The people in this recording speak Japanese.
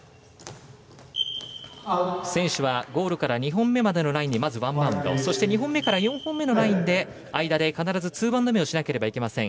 選手はゴールから２本目までのラインでまずワンバウンドそして２本目から４本目のラインで間に必ずツーバウンド目をしなければいけません。